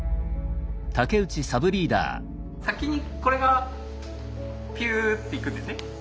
先にこれがぴゅっていくんですね。